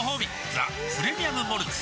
「ザ・プレミアム・モルツ」